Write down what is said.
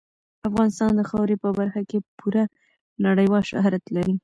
افغانستان د خاورې په برخه کې پوره نړیوال شهرت لري.